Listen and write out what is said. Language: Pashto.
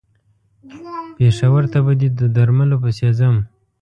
پېښور ته به د دې درملو پسې ځم.